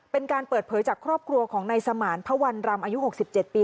เป็นการเปิดเผยจากครอบครัวของนายสมานพระวันรำอายุ๖๗ปี